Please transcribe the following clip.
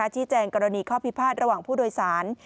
แจ้งกรณีข้อพิพาทระหว่างผู้โดยสาร